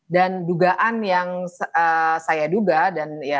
dan dugaan yang saya duga dan ya cukup pasti